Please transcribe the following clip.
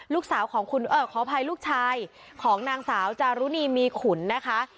ของคุณขออภัยลูกชายของนางสาวจารุณีมีขุนนะคะ